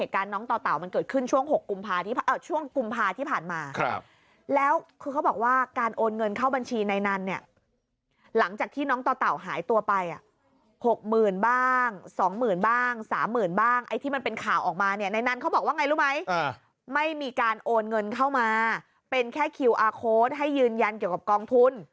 ก็ไม่ได้แค่คิวอาร์โค้ดให้ยืนยันเกี่ยวกับกองทุน